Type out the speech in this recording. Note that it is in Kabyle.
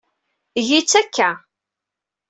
Eg-itt akka.